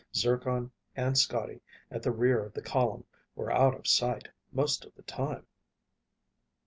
Zircon and Scotty, at the rear of the column, were out of sight most of the time.